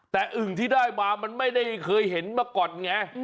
แต่อึ่งที่ได้มามันไม่ได้เคยเห็นมาก่อนไง